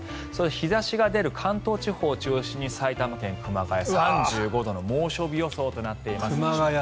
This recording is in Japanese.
日差しが出る関東地方中心に埼玉県熊谷市、３５度以上の猛暑日予想となっています。